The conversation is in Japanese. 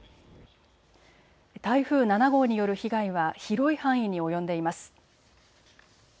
台風７号による被害は広い範囲に及んでいます。